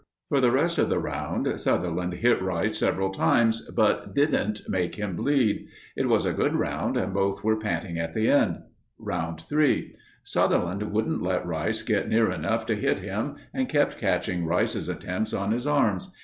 For the rest of the round Sutherland hit Rice several times, but didn't make him bleed. It was a good round and both were panting at the end. Round 3. Sutherland wouldn't let Rice get near enough to hit him and kept catching Rice's attempts on his arms.